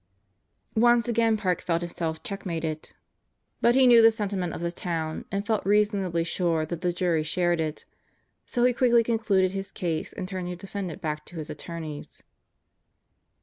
Once again Park felt himself checkmated, but he knew the 46 God Goes to Murderers Row sentiment of the town and felt reasonably sure that the jury shared it, so he quickly concluded his case and turned the defendant back to his attorneys.